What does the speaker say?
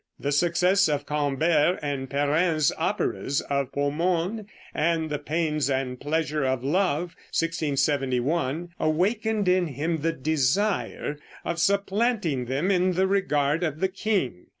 The success of Cambert and Perrin's operas of "Pomone" and "The Pains and Pleasures of Love" (1671) awakened in him the desire of supplanting them in the regard of the king.